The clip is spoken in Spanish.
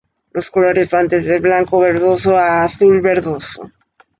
Los colores van desde blanco verdoso a azul verdoso.